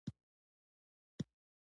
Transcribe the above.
شعبده بازان او مداریان هم راتلل.